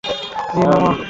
জ্বী, মামা।